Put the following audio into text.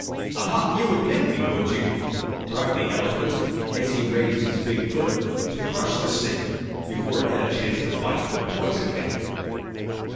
"Ah, ha! You would nip me, would you?" cried the elephant, as he raised his big foot to crush the snake before it had a chance to bite and poison him.